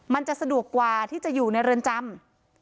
มันจะสะดวกกว่าที่จะอยู่ในเรือนจำ